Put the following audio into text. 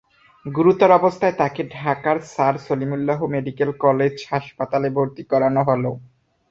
গুরুতর অবস্থায় তাঁকে ঢাকার স্যার সলিমুল্লাহ মেডিকেল কলেজ হাসপাতালে ভর্তি করানো হয়।